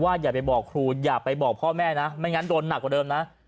อย่าไปบอกครูอย่าไปบอกพ่อแม่นะไม่งั้นโดนหนักกว่าเดิมนะ